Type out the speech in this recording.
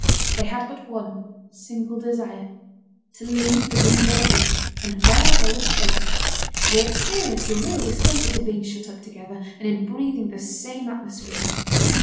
They had but one, single desire: to leave the room they were in, and where they were choking. They experienced a real discomfort in being shut up together, and in breathing the same atmosphere.